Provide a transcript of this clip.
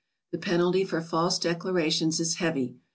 The penalty for faise declarations is heavy.